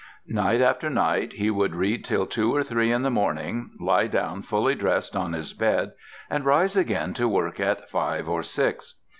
Night after night he would read till two or three in the morning, lie down fully dressed on his bed, and rise again to work at five or six.